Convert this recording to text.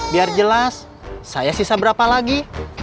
biar jelas saya sisa berapa lagi